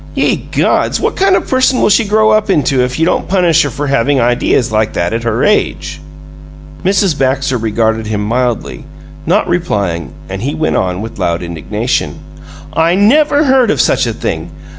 Ye gods! What kind of a person will she grow up into if you don't punish her for havin' ideas like that at her age?" Mrs. Baxter regarded him mildly, not replying, and he went on, with loud indignation: "I never heard of such a thing!